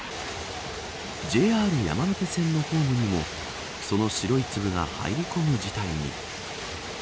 ＪＲ山手線のホームにもその白い粒が入り込む事態に。